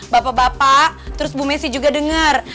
bapak bapak terus bu messi juga dengar